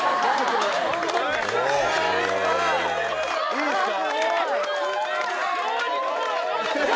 いいっすか？